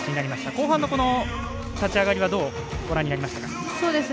後半のこの立ち上がりはどうご覧になりましたか？